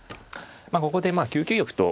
ここで９九玉と。